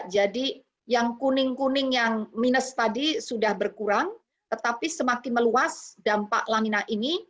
jadi yang kuning kuning yang minus tadi sudah berkurang tetapi semakin meluas dampak lanina ini